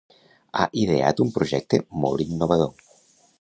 Ha ideat un projecte molt innovador.